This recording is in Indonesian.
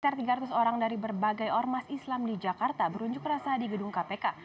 sekitar tiga ratus orang dari berbagai ormas islam di jakarta berunjuk rasa di gedung kpk